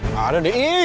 gak ada nih